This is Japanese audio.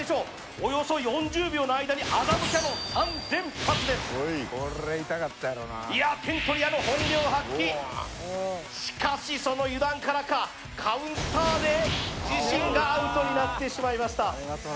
およそ４０秒の間にいや点取り屋の本領発揮しかしその油断からかカウンターで自身がアウトになってしまいました